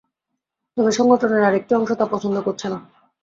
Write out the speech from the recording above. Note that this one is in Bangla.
তবে সংগঠনের আরেকটি অংশ তা পছন্দ করছে না।